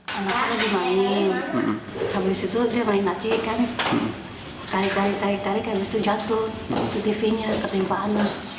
habis itu dia main naci ikan tarik tarik tarik tarik habis itu jatuh tv nya tertimpaan